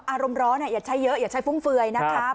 อารมณ์ร้อนอย่าใช้เยอะอย่าใช้ฟุ่มเฟือยนะครับ